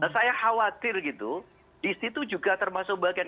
saya khawatir gitu disitu juga termasuk bagian